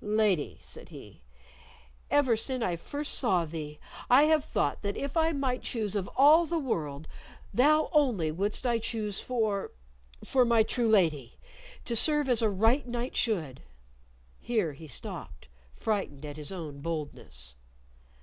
"Lady," said he, "ever sin I first saw thee I have thought that if I might choose of all the world, thou only wouldst I choose for for my true lady, to serve as a right knight should." Here he stopped, frightened at his own boldness.